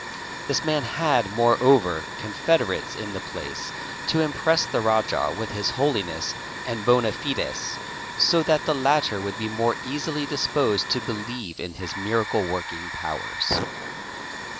'This man had, moreover, confederates in the place to impress the rajah with his holiness and bona fides, so that _ the latter would be more easily disposed to believe in his miracle working _ powers.